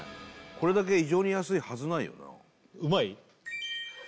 これだけ異常に安いはずないよなうまい？